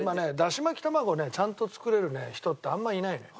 しまき玉子をねちゃんと作れる人ってあんまいないのよ。